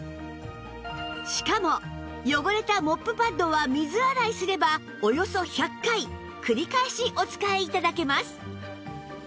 しかも汚れたモップパッドは水洗いすればおよそ１００回繰り返しお使い頂けます